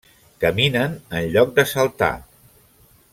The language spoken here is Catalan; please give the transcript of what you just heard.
Caminen en lloc de saltar.